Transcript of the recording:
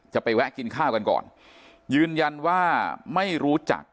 แวะกินข้าวกันก่อนยืนยันว่าไม่รู้จัก